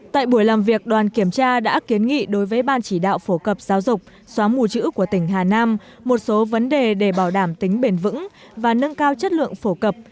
tại buổi làm việc đoàn kiểm tra đã kiến nghị đối với ban chỉ đạo phổ cập giáo dục xóa mù chữ của tỉnh hà nam một số vấn đề để bảo đảm tính bền vững và nâng cao chất lượng phổ cập